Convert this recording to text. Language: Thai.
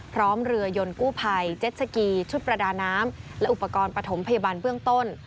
เรือยนกู้ภัยเจ็ดสกีชุดประดาน้ำและอุปกรณ์ปฐมพยาบาลเบื้องต้น